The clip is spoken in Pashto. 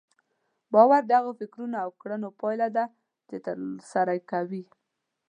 باور د هغو فکرونو او کړنو پايله ده چې ترسره کوئ.